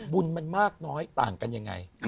บุญมันมากน้อยต่างกันยังไง